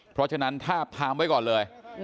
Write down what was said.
เพราะฉะนั้นทาบทามไว้ก่อนเลย